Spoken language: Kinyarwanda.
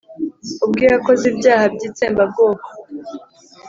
ubwe yakoze ibyaha by'itsembabwoko.